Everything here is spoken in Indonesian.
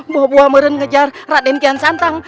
buah buah merun ngejar raden kian santang